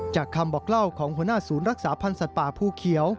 คำบอกเล่าของหัวหน้าศูนย์รักษาพันธ์สัตว์ป่าภูเขียว